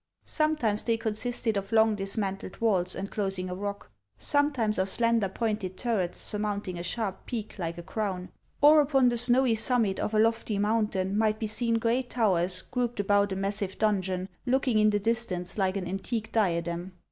Sometimes they consisted of long dismantled walls, enclosing a rock, sometimes of slen der pointed turrets, surmounting a sharp peak, like a crown ; or upon the snowy summit of a lofty mountain might be seen great towers grouped about a massive don jon, looking in the distance like an antique diadem.